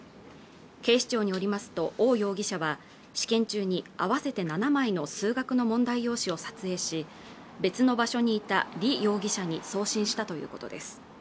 警視庁によりますと王容疑者は試験中に合わせて７枚の数学の問題用紙を撮影し別の場所にいた李容疑者に送信したということです